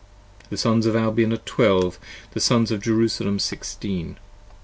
The Sons of Albion are Twelve : the Sons of Jerusalem Sixteen.